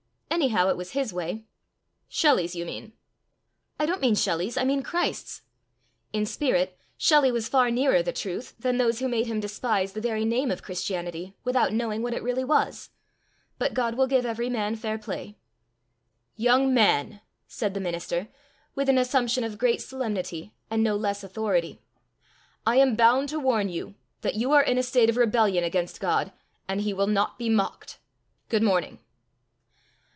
Anyhow it was his way." "Shelley's, you mean!" "I don't mean Shelley's, I mean Christ's. In spirit Shelley was far nearer the truth than those who made him despise the very name of Christianity without knowing what it really was. But God will give every man fair play." "Young man!" said the minister, with an assumption of great solemnity and no less authority, "I am bound to warn you that you are in a state of rebellion against God, and he will not be mocked. Good morning!"